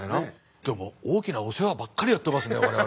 でも大きなお世話ばっかりやってますね我々。